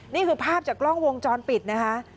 นี่คือภาพจากกล้องวงจรปิดนะคะ